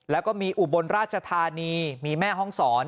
แล้วก็มีอุบลราชธานีมีแม่ห้องศร